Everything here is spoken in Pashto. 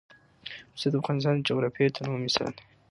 پسه د افغانستان د جغرافیوي تنوع مثال دی.